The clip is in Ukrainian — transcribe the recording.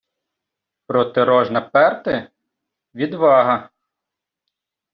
Проти рожна перти — відвага